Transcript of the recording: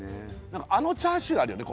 あのチャーシューあるよね